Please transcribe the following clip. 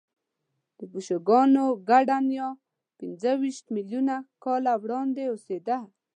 د پیشوګانو ګډه نیا پنځهویشت میلیونه کاله وړاندې اوسېده.